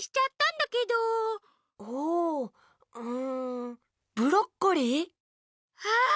んブロッコリー？ああ！